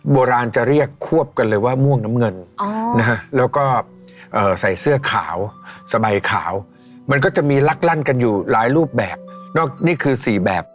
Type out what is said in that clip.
โบราณจะเรียกควบกันเลยว่าม่วงน้ำเงินแล้วก็ใส่เสื้อขาวสบายขาวมันก็จะมีลักลั่นกันอยู่หลายรูปแบบนอกนี่คือ๔แบบ